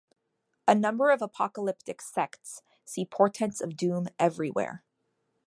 A number of apocalyptic sects see portents of doom everywhere.